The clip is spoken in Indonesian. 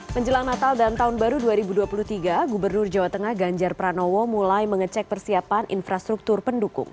menjelang natal dan tahun baru dua ribu dua puluh tiga gubernur jawa tengah ganjar pranowo mulai mengecek persiapan infrastruktur pendukung